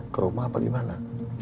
ke rumah apa di mana